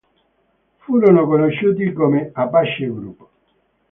Furono conosciuti come Apache Group.